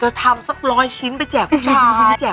จะทำสักร้อยชิ้นไปแจบผู้ชาย